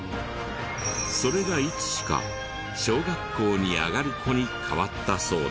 それがいつしか小学校に上がる子に変わったそうだが。